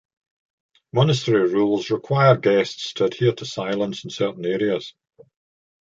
Monastery rules require guests to adhere to silence in certain areas.